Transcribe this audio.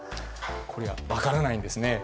これは分からないんですね。